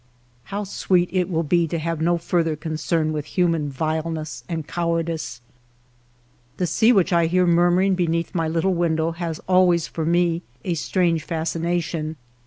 How sweet it will be to have no further concern with human vileness and cowardice ! The sea which I hear murmuring beneath my little window has always for me a strange fascina tion.